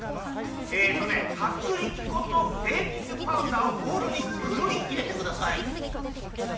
えっとねはくりき粉とベーキングパウダーをボウルにふるいいれてください。